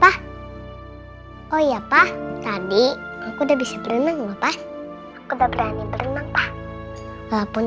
pak oh iya pak tadi aku udah bisa berenang bapak aku udah berani berenang pak walaupun